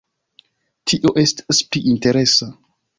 Tio estas pli interesa.